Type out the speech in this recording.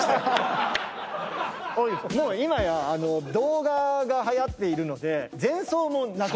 もう今や動画がはやっているので。